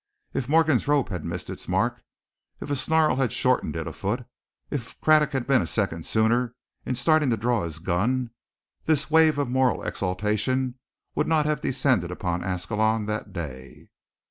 If Morgan's rope had missed its mark, if a snarl had shortened it a foot; if Craddock had been a second sooner in starting to draw his gun, this wave of moral exaltation would not have descended upon Ascalon that day.